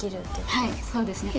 はいそうですね。